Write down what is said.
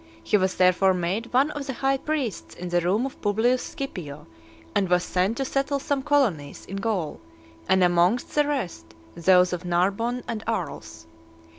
He was therefore made one of the high priests in the room of Publius Scipio ; and was sent to settle some colonies in Gaul, and amongst the rest, those of Narbonne and Arles .